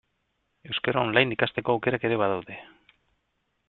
Euskara online ikasteko aukerak ere badaude.